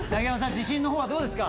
自信のほうはどうですか？